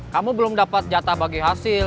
kamu belum dapat jatah bagi hasil